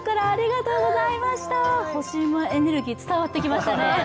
干し芋エネルギー伝わってきましたね。